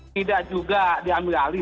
tidak juga diambil alih